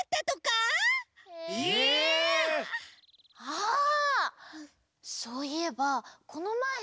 あそういえばこのまえ。